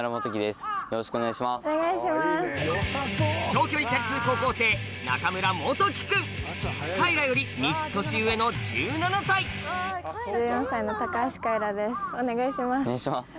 長距離チャリ通高校生かいらより３つ年上の１７歳お願いします。